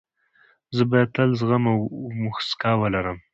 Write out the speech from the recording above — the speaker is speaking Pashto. زه باید تل زغم او موسکا ولرم.